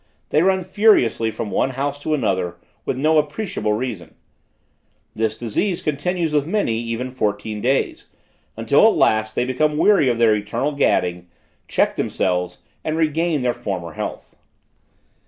They run furiously from one house to another, with no appreciable reason. This disease continues with many even fourteen days; until at last, they become weary of their eternal gadding, check themselves and regain their former health.